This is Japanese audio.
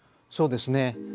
そうですね。